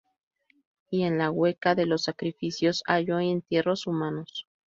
Y en la Huaca de los Sacrificios halló entierros humanos.